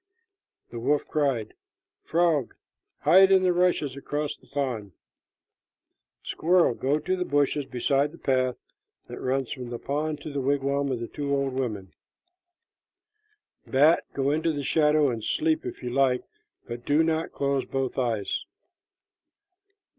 The wolf cried, "Frog, hide in the rushes across the pond. Squirrel, go to the bushes beside the path that runs from the pond to the wigwam of the two old women. Bat, go into the shadow and sleep if you like, but do not close both eyes.